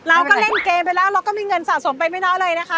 เราก็เล่นเกมไปแล้วเราก็มีเงินสะสมไปไม่น้อยเลยนะคะ